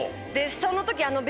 その時。